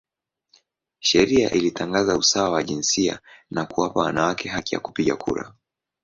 Sheria ilitangaza usawa wa jinsia na kuwapa wanawake haki ya kupiga kura.